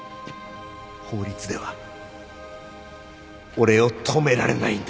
法律では俺を止められないんだよ